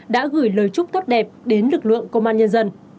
đã gửi lời chúc tốt đẹp đến lực lượng công an nhân dân